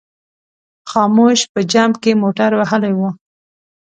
خاموش په جمپ کې موټر وهلی و.